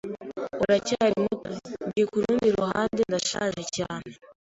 Uracyari muto. Njye kurundi ruhande, ndashaje cyane.